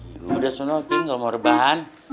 lu udah seneng tinggal mau rebahan